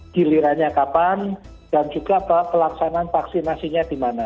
gilirannya kapan dan juga pelaksanaan vaksinasinya dimana